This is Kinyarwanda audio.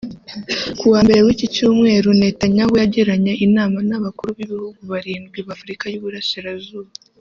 Kuwa Mbere w’iki cyumweru Netanyahu yagiranye inama n’abakuru b’ibihugu barindwi ba Afurika y’Uburasirazuba